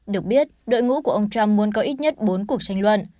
được biết đội ngũ của ông trump muốn có ít nhất bốn cuộc tranh luận